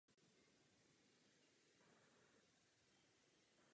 Další významné sochařské práce ukrývají i prostory hřbitova.